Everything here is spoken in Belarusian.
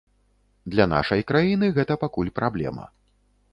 Для нашай краіны гэта пакуль праблема.